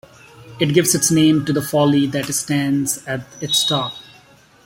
It gives its name to the folly that stands at its top.